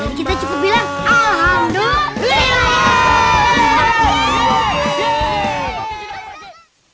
jadi kita cepet bilang alhamdulillah